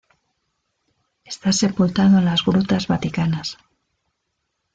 Está sepultado en las Grutas Vaticanas.